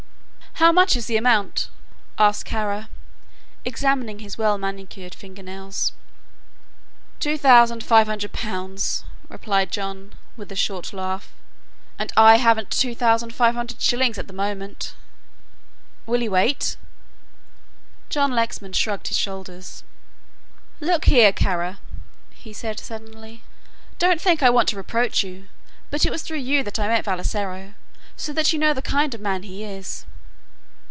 "How much is the amount?" asked Kara, examining his well manicured finger nails. "Two thousand five hundred pounds," replied John, with a short laugh, "and I haven't two thousand five hundred shillings at this moment." "Will he wait?" John Lexman shrugged his shoulders. "Look here, Kara," he said, suddenly, "don't think I want to reproach you, but it was through you that I met Vassalaro so that you know the kind of man he is."